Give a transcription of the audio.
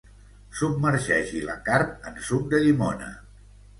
Submergeixi la carn en suc de llimona.